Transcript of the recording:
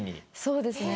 そうですね。